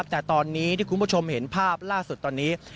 แต่ตอนนี้ที่คุณผู้ชมเห็นภาพล่าสุดตอนนี้